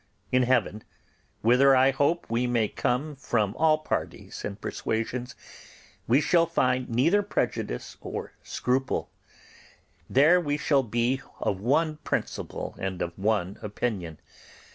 In heaven, whither I hope we may come from all parties and persuasions, we shall find neither prejudice or scruple; there we shall be of one principle and of one opinion.